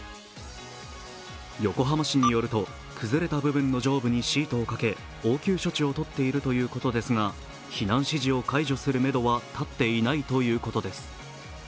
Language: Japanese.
横浜市によると、崩れた部分の上部にシートをかけ応急処置をとっているということですが避難指示を解除するめどは立っていないということです。